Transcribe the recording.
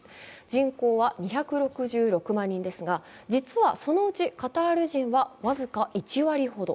人口は２６６万人ですが実はそのうちカタール人は、僅か１割ほど。